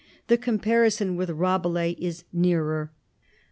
The comparison with Rabelais is nearer.